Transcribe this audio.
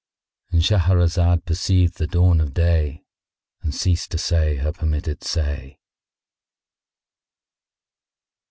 ——And Shahrazad perceived the dawn of day and ceased to say her permitted say.